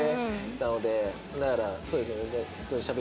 なのでだからそうですね。